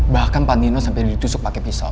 bahkan pak nino sampai ditusuk pakai pisau